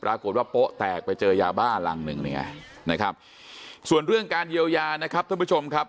ปรากฏว่าโป๊ะแตกไปเจอยาบ้าหลังหนึ่งนี่ไงนะครับส่วนเรื่องการเยียวยานะครับท่านผู้ชมครับ